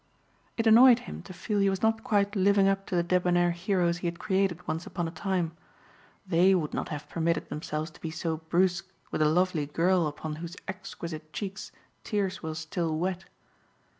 It annoyed him to feel he was not quite living up to the debonair heroes he had created once upon a time. They would not have permitted themselves to be so brusque with a lovely girl upon whose exquisite cheeks tears were still wet.